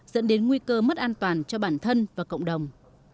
dẫn đến nguy cơ mất an toàn cho bản thân và cộng đồng